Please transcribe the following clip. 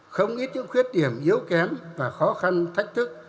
không ít những khuyết điểm yếu kém và khó khăn thách thức